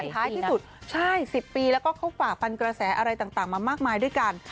แต่ถ้าอย่างที่สุด๑๐ปีแล้วก็เข้าขวาปันเกราแสอะไรต่างมามากมายด้วยกัน